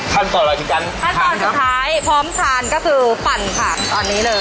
ทันต่อแล้วกันทันต่อสุดท้ายพร้อมทานก็คือปั่นค่ะตอนนี้เลย